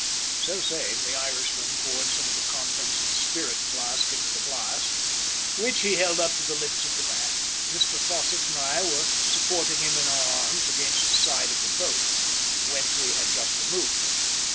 So saying the Irishman poured some of the contents of the spirit flask into the glass, which he held to the lips of the man. Mr Fosset and I were supporting him in our arms against the side of the boat, whence we had just removed him.